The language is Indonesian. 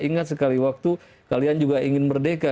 ingat sekali waktu kalian juga ingin merdeka